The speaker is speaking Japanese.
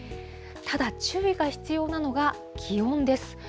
ただ注意が必要なのが気温です。